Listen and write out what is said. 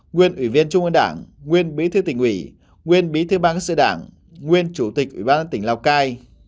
nguyễn ủy viên chung quân đảng nguyễn bí thư tỉnh ủy nguyễn bí thư ban cơ sở đảng nguyễn chủ tịch ủy ban tỉnh lào cai